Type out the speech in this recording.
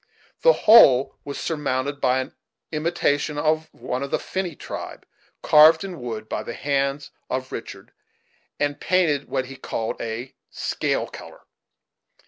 The whole was surmounted by an imitation of one of the finny tribe, carved in wood by the hands of Richard, and painted what he called a "scale color."